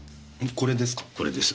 これです。